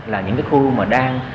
là những cái khu mà đang